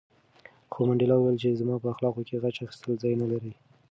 خو منډېلا وویل چې زما په اخلاقو کې غچ اخیستل ځای نه لري.